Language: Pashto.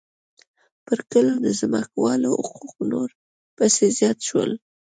پر کلو د ځمکوالو حقوق نور پسې زیات شول